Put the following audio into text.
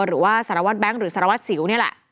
หรือว่าสารวัตรแบงค์หรือสารวัตรสิวนี่แหละ